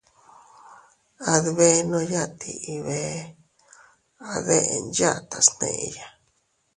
Adbenoya tii bee a deʼen yatas neʼeya.